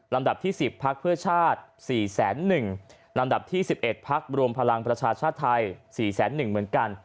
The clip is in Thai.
ดับที่๑๐พักเพื่อชาติ๔๑๐๐ลำดับที่๑๑พักรวมพลังประชาชาติไทย๔๑๐๐เหมือนกัน